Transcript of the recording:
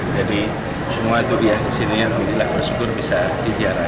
jadi semua turiah di sini alhamdulillah bersyukur bisa di ziarah